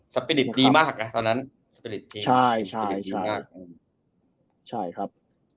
สปิริตดีมากครับตอนนั้นสปิริตดีง่ายใช่ใช่ครับ